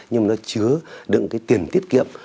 nhưng mà nó chứa được cái tiền tiết kiệm